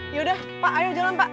yaudah pak ayo jalan pak